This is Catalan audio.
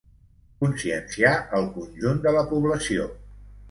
conscienciar el conjunt de la població